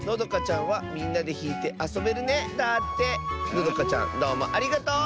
のどかちゃんどうもありがとう！